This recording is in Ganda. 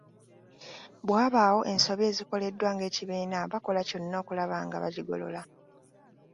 Bwe wabaawo ensobi ezikoleddwa ng’ekibiina bakola kyonna okulaba nga bagigolola.